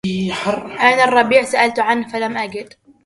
أين الربيع سألت عنه فلم أجد